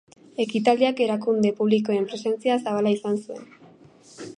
Ekitaldiak erakunde publikoen presentzia zabala izan zuen.